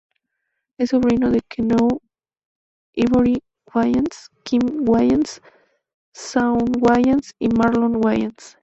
Es sobrino de Keenan Ivory Wayans, Kim Wayans, Shawn Wayans y Marlon Wayans.